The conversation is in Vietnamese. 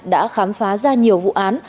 đã khám phá ra nhiều vụ án